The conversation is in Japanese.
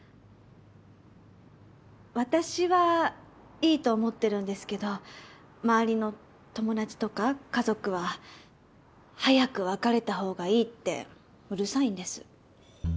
私はいいと思ってるんですけど周りの友達とか家族は早く別れたほうがいいってうるさいんです。